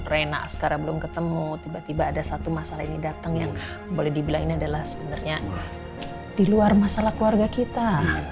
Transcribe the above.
rena sekarang belum ketemu tiba tiba ada satu masalah ini datang yang boleh dibilang ini adalah sebenarnya di luar masalah keluarga kita